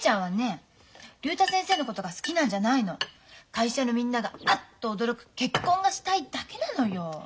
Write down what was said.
会社のみんながあっと驚く結婚がしたいだけなのよ。